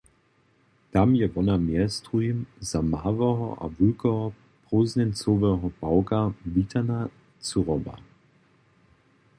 Tam je wona mjez druhim za małeho a wulkeho prózdnjeńcoweho pawka witana cyroba.